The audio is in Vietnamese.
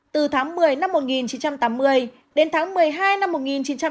từ tháng một mươi năm một nghìn chín trăm tám mươi đến tháng một mươi hai năm một nghìn chín trăm bảy mươi